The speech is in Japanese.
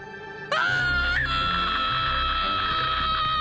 あ！